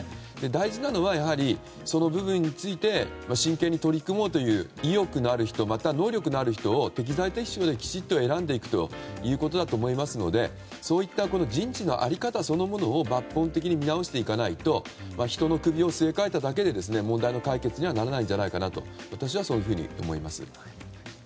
大事なのは、その部分について真剣に取り組もうという意欲のある人、能力のある人を適材適所できちっと選んでいくということだと思いますのでそういった人事の在り方そのものを抜本的に見直していかないと人の首をすげ替えただけで問題の解決にはならないんじゃないかと思います。